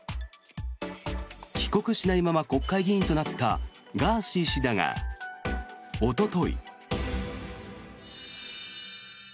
帰国しないまま国会議員となったガーシー氏だが、おととい。